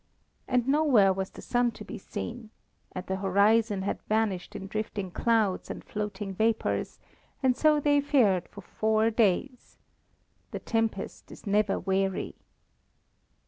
And nowhere was the sun to be seen, and the horizon had vanished in drifting clouds and floating vapours and so they fared for four days. The tempest is never weary.